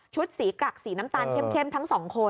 สีกรักสีน้ำตาลเข้มทั้งสองคน